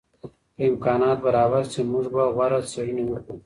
که امکانات برابر سي موږ به غوره څېړني وکړو.